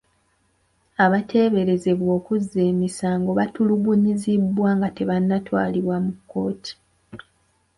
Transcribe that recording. Abateeberezebwa okuzza emisango baatulugunyizibwa nga tebannatwalibwa mu kkooti.